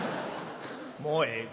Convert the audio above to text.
もうええ。